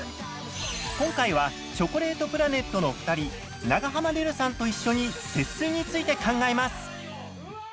今回はチョコレートプラネットの２人長濱ねるさんと一緒に節水について考えます！